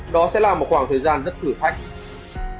đó sẽ là một khoảng thời gian rất thử thách